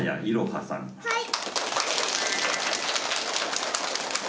はい！